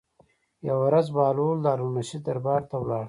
یوه ورځ بهلول د هارون الرشید دربار ته لاړ.